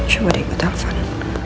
coba deh ikut alvan